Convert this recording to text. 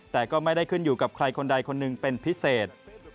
แต่ก็ไม่ได้ขึ้นอยู่กับใครคนใดคนหนึ่งเป็นพิเศษ